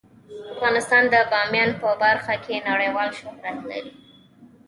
افغانستان د بامیان په برخه کې نړیوال شهرت لري.